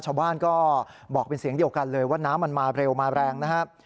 ชาวบ้านก็บอกเป็นเสียงเดียวกันเลยว่าน้ำมันมาเร็วมาแรงนะครับ